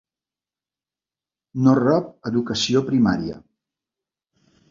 No rep educació primària.